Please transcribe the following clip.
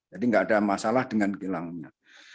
jadi tidak ada masalah dengan kilangnya